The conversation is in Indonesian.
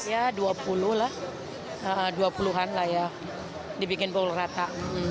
ya dua puluh lah dua puluh an lah ya dibikin boul rata